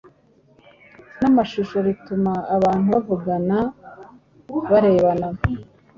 namashusho rituma abantu bavugana barebana